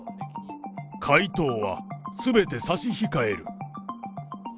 回答はすべて差し控える。